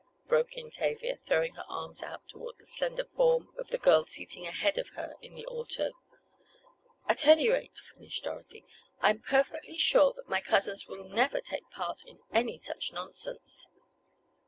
broke in Tavia, throwing her arms out toward the slender form of the girl seated ahead of her in the auto. "At any rate," finished Dorothy, "I'm perfectly sure that my cousins will never take part in any such nonsense."